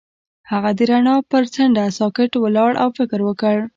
هغه د رڼا پر څنډه ساکت ولاړ او فکر وکړ.